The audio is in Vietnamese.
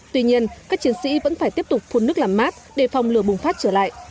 tuy nhiên các chiến sĩ vẫn phải tiếp tục phun nước làm mát để phòng lửa bùng phát trở lại